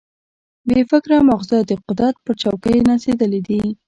بې فکره ماغزه د قدرت پر چوکۍ نڅېدلي دي.